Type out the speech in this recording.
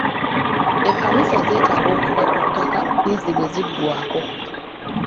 Ekkanisa zeetaaga okuva ku ttaka liizi bwe ziggwako.